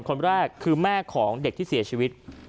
คนแรกคือแม่ของเด็กที่เสียชีวิต